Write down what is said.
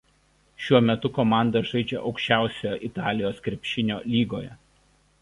Šiuo metu komanda žaidžia aukščiausioje Italijos krepšinio lygoje.